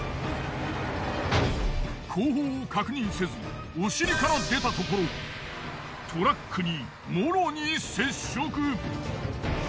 後方を確認せずお尻から出たところトラックにもろに接触。